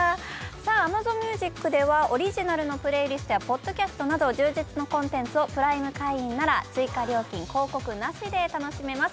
ＡｍａｚｏｎＭｕｓｉｃではオリジナルのプレイリストやポッドキャストなど充実のコンテンツをプライム会員なら、追加料金なしで楽しめます。